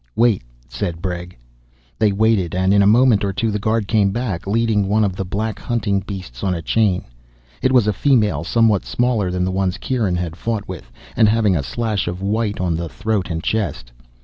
"Wait," said Bregg. They waited, and in a moment or two the guard came back leading one of the black hunting beasts on a chain. It was a female, somewhat smaller than the ones Kieran had fought with, and having a slash of white on the throat and chest.